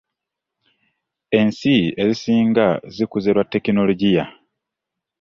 ensi ezisinga zikuze lwa tekinologiya.